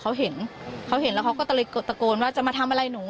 เขาเห็นแล้วเขาก็ตะโกนว่าจะมาทำอะไรหนู